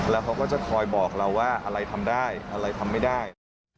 แล้วเขาก็จะคอยบอกเราว่าอะไรทำได้อะไรทำไม่ได้